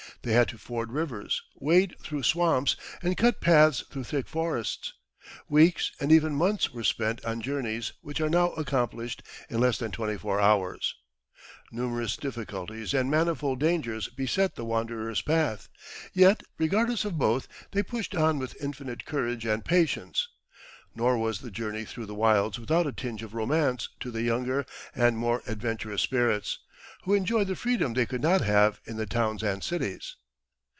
They had to ford rivers, wade through swamps, and cut paths through thick forests. Weeks, and even months, were spent on journeys which are now accomplished in less than twenty four hours. Numerous difficulties and manifold dangers beset the wanderers' path; yet, regardless of both, they pushed on with infinite courage and patience. Nor was the journey through the wilds without a tinge of romance to the younger and more adventurous spirits, who enjoyed the freedom they could not have in the towns and cities.